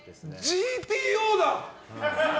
「ＧＴＯ」だ！